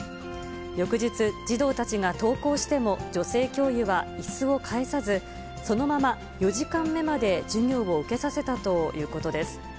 翌日、児童たちが登校しても、女性教諭はいすを返さず、そのまま４時間目まで授業を受けさせたということです。